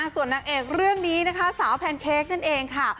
ส่วนนางเอกเรื่องนี้นะคะสาวแพนเค้กนั่นเองค่ะ